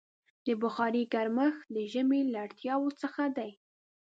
د بخارۍ ګرمښت د ژمي له اړتیاوو څخه دی.